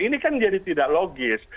ini kan jadi tidak logis